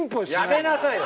やめなさいよ。